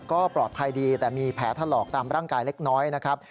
ก็ปลอดภัยดีแต่มีแผลถลอกตามร่างกายเล็กน้อยนะครับ